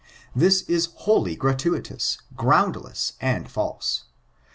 This is wholly gratuitous, groundless, and false.